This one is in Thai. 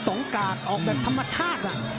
โอกาสออกแบบธรรมชาติ